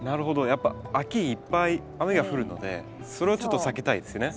やっぱ秋いっぱい雨が降るのでそれはちょっと避けたいですね。